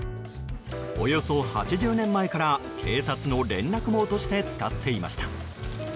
およそ８０年前から警察の連絡網として使っていました。